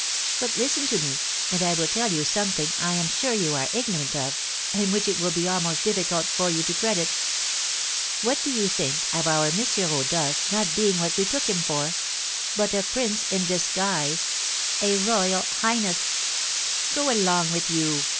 But listen to me, and I will tell you something I am sure you are ignorant of and which it will be almost difficult for you to credit. What do you think of our M. Rodolph not being what we took him for, but a prince in disguise, a royal highness!" "Go along with you!"